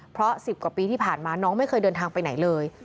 เพราะ๑๐กว่าปีที่ผ่านมาน้องไม่เคยเดินทางไปไหนเลย